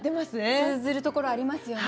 通ずるところありますよね。